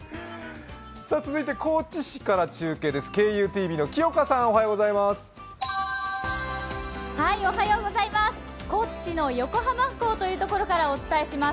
続いて高知市から中継です。